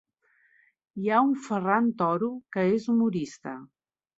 Hi ha un Ferran Toro que és humorista.